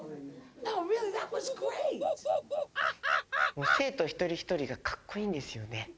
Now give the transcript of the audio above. もう生徒一人一人がかっこいいんですよね